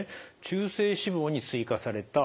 中性脂肪に追加された。